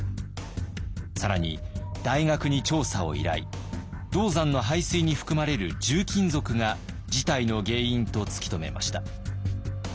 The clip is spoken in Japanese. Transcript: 更に大学に調査を依頼銅山の排水に含まれる重金属が事態の原因と突き止めました。